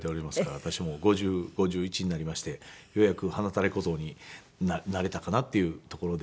私も５１になりましてようやく洟垂れ小僧になれたかなっていうところで。